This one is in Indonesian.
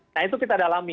nah itu kita dalami